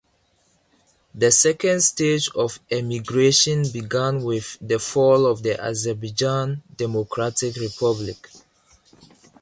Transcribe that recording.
The second stage of emigration began with the fall of the Azerbaijan Democratic Republic.